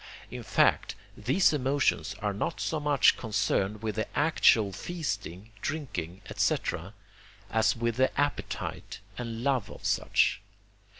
In fact, these emotions are not so much concerned with the actual feasting, drinking, &c., as with the appetite and love of such.